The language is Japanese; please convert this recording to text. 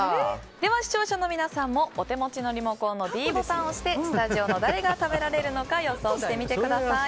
視聴者の皆さんもお手持ちのリモコンのｄボタンを押してスタジオの誰が食べられるのか予想してみてください。